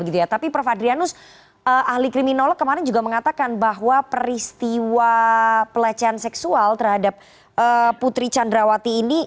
tapi prof adrianus ahli kriminolog kemarin juga mengatakan bahwa peristiwa pelecehan seksual terhadap putri candrawati ini